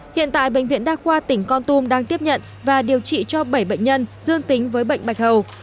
hiện tại bệnh viện đa khoa tỉnh con tum đang tiếp nhận và điều trị cho bảy bệnh nhân dương tính với bệnh bạch hầu